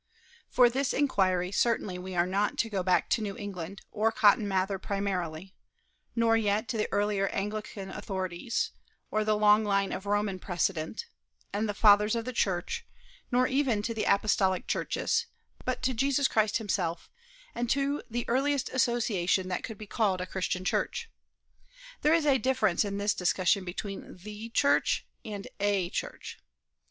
For this inquiry certainly we are not to go back to New England or Cotton Mather primarily, nor yet to the earlier Anglican authorities, or the long line of Roman precedent, and the Fathers of the Church, nor even to the Apostolic churches, but to Jesus Christ himself, and to the earliest association that could be called a Christian church. There is a difference in this discussion between the Church and a church.